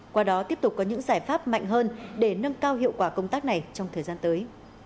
qua đó tiếp tục có những giải pháp mạnh hơn để nâng cao hiệu quả công tác này trong thời gian tới